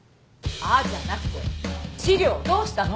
「あっ」じゃなくて資料どうしたの？